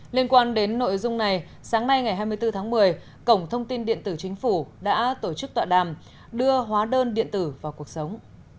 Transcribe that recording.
liên quan đến nội dung này sáng nay ngày hai mươi bốn tháng một mươi cổng thông tin điện tử chính phủ đã tổ chức tọa đàm đưa hóa đơn điện tử vào cuộc sống